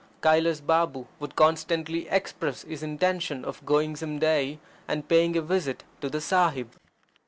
Kailas Balm would constantly express his intention of going some day and paying a visit to the Sahib.